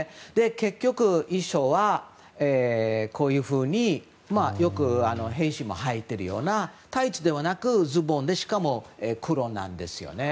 結局、衣装はこういうふうによく兵士がはいているようなタイツではなく、ズボンでしかも黒なんですよね。